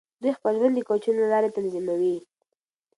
دوی خپل ژوند د کوچونو له لارې تنظیموي.